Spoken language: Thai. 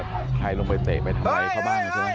ใครลงไปเตะไปทำอะไรเขาบ้างใช่ไหม